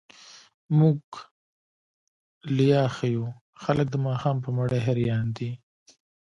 موږ ليا ښه يو، خلګ د ماښام په مړۍ هريان دي.